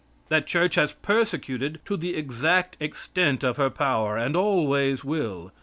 That Church has persecuted to the exact extent of her power and always will.